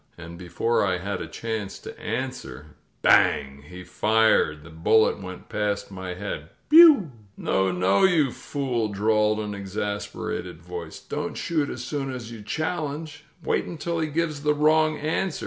And before I had a chance to answer, BANG ! He fired. The bullet went past my head. Bioul "No, no, you fool," drawled an exasperated voice. "Don't shoot as soon as you challenge ! Wait imtil he gives the wrong answer!